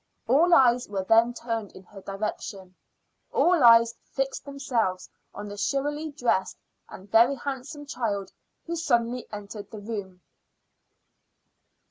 All eyes were then turned in her direction; all eyes fixed themselves on the showily dressed and very handsome child who suddenly entered the room.